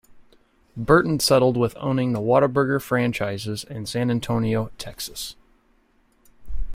Burton settled with owning the Whataburger franchises in San Antonio, Texas.